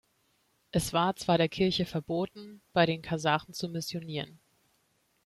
Es war zwar der Kirche verboten, bei den Kasachen zu missionieren.